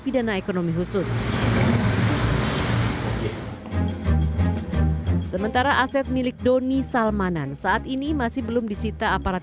pidana ekonomi khusus sementara aset milik doni salmanan saat ini masih belum disita aparat